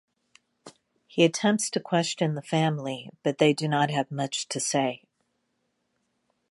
He attempts to question the family, but they do not have much to say.